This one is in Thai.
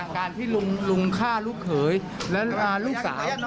การที่ลุงฆ่าลูกเขยและลูกสาว